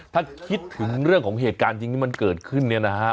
ถ้าคิดถึงเรื่องของเหตุการณ์จริงที่มันเกิดขึ้นเนี่ยนะฮะ